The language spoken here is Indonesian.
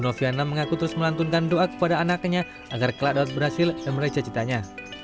noviana mengaku terus melantunkan doa kepada anaknya agar kelak dapat berhasil dan meraja citanya